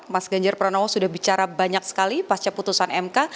mas ganjar pranowo sudah bicara banyak sekali pasca putusan mk